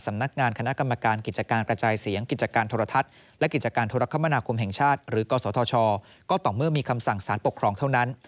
สำนักงานคณะกรรมการกิจการกระจายเสียงกิจการโทรทัศน์และกิจการโทรคมนาคมแห่งชาติหรือกศธชก็ต่อเมื่อมีคำสั่งสารปกครองเท่านั้น